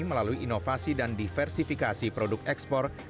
melalui inovasi dan diversifikasi produk ekspor